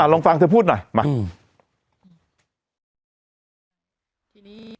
อ่าลองฟังเธอพูดหน่อย